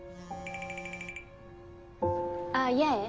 あっ八重？